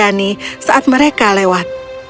dia berani saat mereka lewat